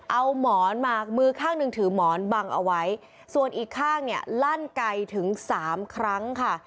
เอาหมอนมามือข้างหนึ่งถือหมอนบังเอาไว้ส่วนอีกข้างเนี่ยลั่นไกลถึงสามครั้งค่ะ